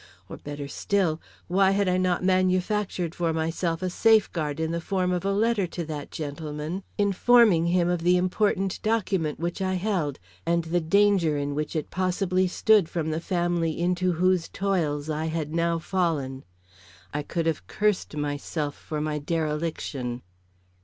Or, better still, why had I not manufactured for myself a safeguard in the form of a letter to that gentleman, informing him of the important document which I held, and the danger in which it possibly stood from the family into whose toils I had now fallen? I could have cursed myself for my dereliction.